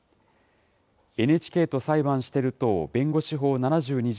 ＮＨＫと裁判してる党弁護士法７２条